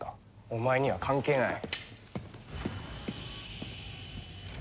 お前には関係ない。